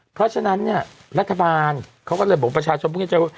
เพราะฉะนั้นเนี่ยรัฐบาลเขาก็เลยบอกประชาชนพูดง่ายว่า